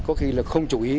có khi là không chú ý